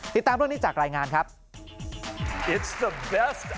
ติดตามเรื่องนี้จากรายงานครับ